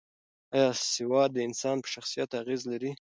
ایا سواد د انسان په شخصیت اغېز لري؟